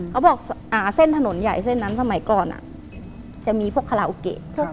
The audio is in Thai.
เขาบอกเส้นถนนใหญ่เส้นนั้นสมัยก่อนจะมีพวกคาราโอเกะ